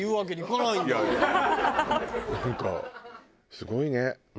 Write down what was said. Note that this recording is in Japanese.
すごいね。